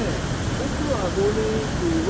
僕はゴールデンウィークは。